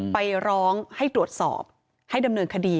ไปร้องให้ตรวจสอบให้ดำเนินคดี